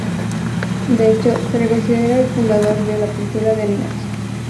De hecho, se le considera el fundador de la pintura de animales.